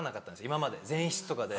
今まで前室とかで。